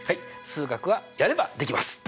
数学はやればできます！